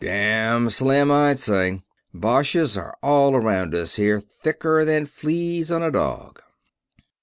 "Damn slim, I'd say. Boches are all around us here, thicker than fleas on a dog."